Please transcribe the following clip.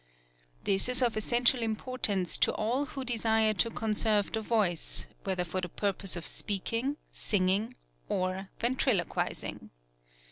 This is of essential importance to all who desire to conserve the voice, whether for the purpose of speaking, singing or ventrilo quizing.